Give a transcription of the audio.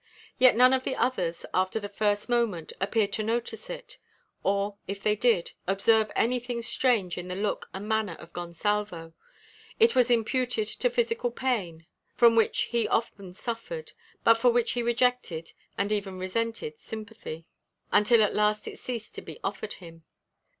Yet none of the others, after the first moment, appeared to notice it. Or if they did observe anything strange in the look and manner of Gonsalvo, it was imputed to physical pain, from which he often suffered, but for which he rejected, and even resented, sympathy, until at last it ceased to be offered him.